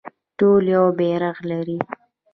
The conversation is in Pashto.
ټول یو بیرغ لري